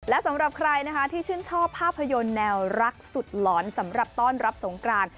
และสำหรับใครนะคะที่ชื่นชอบภาพยนตร์แนวรักสุดหลอนสำหรับต้อนรับสงกราน